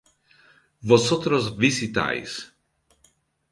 Vosotros visitáis